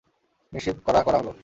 নিশ্চিত করা করা হলো।